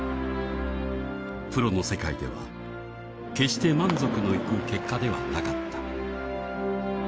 プロの世界では決して満足のいく結果ではなかった